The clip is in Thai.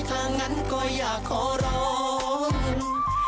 ถ้างั้นก็อยากขอร้อง